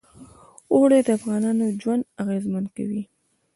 اوړي د افغانانو ژوند اغېزمن کوي.